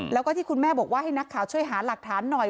แล้วก็ที่คุณแม่บอกว่าให้นักข่าวช่วยหาหลักฐานหน่อย